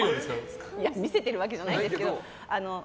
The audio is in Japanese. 見せてるわけじゃないですけど。